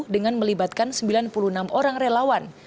dengan melibatkan sembilan puluh enam orang relawan